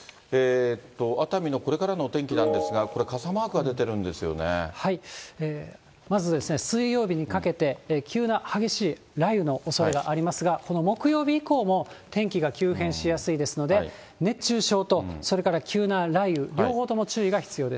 熱海のこれからのお天気なんですが、これ、まず水曜日にかけて、急な激しい雷雨のおそれがありますが、この木曜日以降も天気が急変しやすいですので、熱中症と、それから急な雷雨、両方とも注意が必要です。